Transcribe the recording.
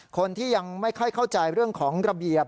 คนที่ยังไม่ค่อยเข้าใจเรื่องของระเบียบ